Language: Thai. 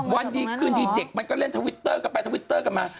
วันดีคืนดีเด็กมันก็เล่นทวิตเตอร์กันไปทวิตเตอร์กันมา